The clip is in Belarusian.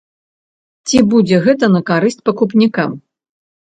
Ці будзе гэта на карысць пакупнікам?